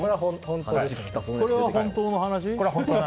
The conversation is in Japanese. これは本当の話？